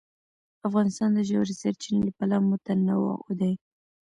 افغانستان د ژورې سرچینې له پلوه متنوع دی.